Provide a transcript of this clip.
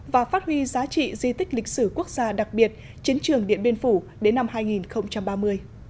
và phát huy giá trị di tích lịch sử quốc gia đặc biệt chiến trường điện biên phủ đến năm hai nghìn ba mươi